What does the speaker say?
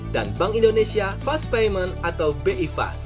dan bank indonesia fast payment atau bifas